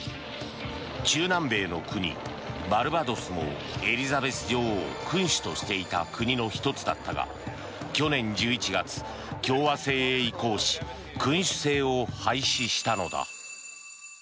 中南米の国バルバドスもエリザベス女王を君主としていた国の１つだったが去年１１月、共和制へ移行し君主制を廃止したのだ。